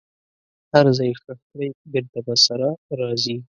هر ځای یې ښخ کړئ بیرته به سره راځي.